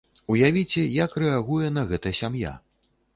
Уявіце, як рэагуе на гэта сям'я.